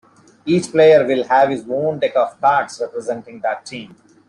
Each player will have his own deck of cards representing that team.